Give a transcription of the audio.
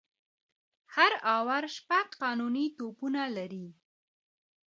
هر آور شپږ قانوني توپونه لري.